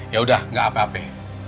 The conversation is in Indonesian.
ya udah nggak apa apa